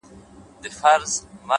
علم د انسان عزت ساتي